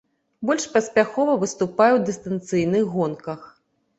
Больш паспяхова выступае ў дыстанцыйных гонках.